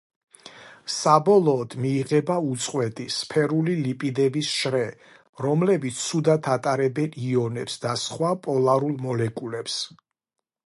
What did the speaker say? საბოლოოდ, მიიღება უწყვეტი, სფერული ლიპიდების შრე, რომლებიც ცუდად ატარებენ იონებს და სხვა პოლარულ მოლეკულებს.